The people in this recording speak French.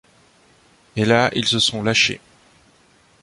Et là ils se sont lâchés.